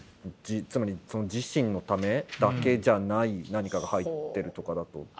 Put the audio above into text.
つまり自身のためだけじゃない何かが入ってるとかだと。